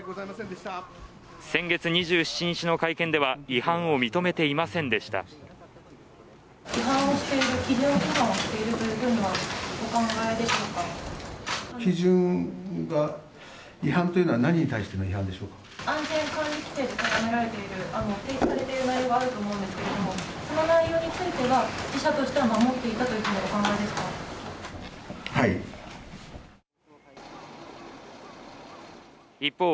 先月２７日の会見では違反を認めていませんでした一方